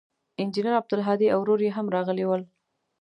انجنیر عبدالهادي او ورور یې هم راغلي ول.